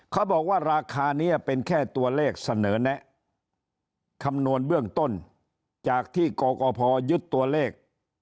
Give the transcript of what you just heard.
เขาบอกว่าราคานี้เป็นแค่ตัวเลขเสนอแนะคำนวณเบื้องต้นจากที่กกพยึดตัวเลข